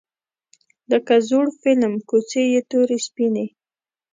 لکه زوړ فیلم کوڅې یې تورې سپینې